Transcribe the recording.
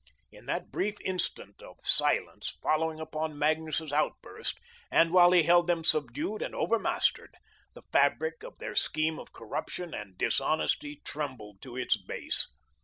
In that brief instant of silence following upon Magnus's outburst, and while he held them subdued and over mastered, the fabric of their scheme of corruption and dishonesty trembled to its base.